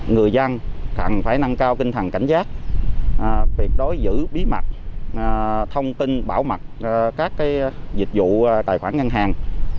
người dân phải nâng cao kinh thần cảnh giác việc đối giữ bí mật thông tin bảo mật các dịch vụ tài khoản ngân hàng